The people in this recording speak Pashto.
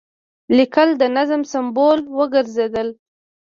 لیکل د نظم سمبول وګرځېدل.